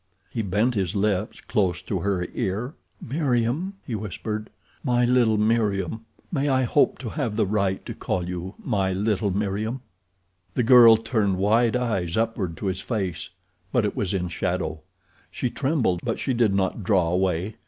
He bent his lips close to her ear. "Meriem!" he whispered. "My little Meriem! May I hope to have the right to call you 'my little Meriem'?" The girl turned wide eyes upward to his face; but it was in shadow. She trembled but she did not draw away.